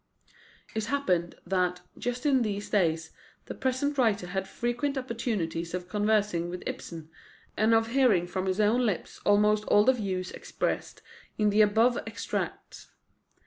It happened that, just in these days, the present writer had frequent opportunities of conversing with Ibsen, and of hearing from his own lips almost all the views expressed in the above extracts.